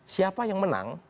siapa yang menang